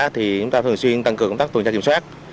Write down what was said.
thì chúng ta thường xuyên tăng cường công tác tuần tra kiểm soát